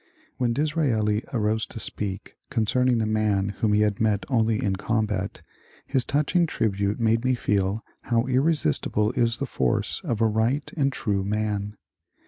When Disraeli arose to speak concerning the man whom he had met only in combat, his touching tribute made me feel how irresistible is the force of a right and true man.